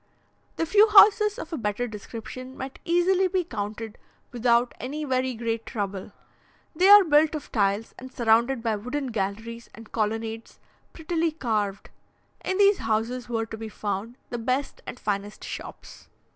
The few houses of a better description might easily be counted without any very great trouble; they are built of tiles, and surrounded by wooden galleries and colonnades prettily carved. In these houses were to be found the best and finest shops.